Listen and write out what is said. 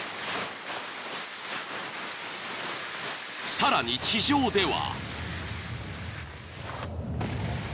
［さらに地上では］